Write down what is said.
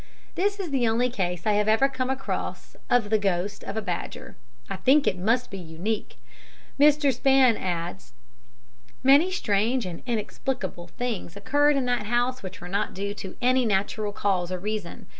This is the only case I have ever come across of the ghost of a badger. I think it must be unique. Mr. Span adds: "Many strange and inexplicable things occurred in that house which were not due to any natural cause or reason.